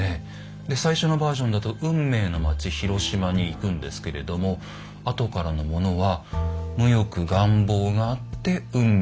で最初のバージョンだと「運命の街・廣島」にいくんですけれども後からのものは「無慾顏貌」があって「運命の街・廣島」。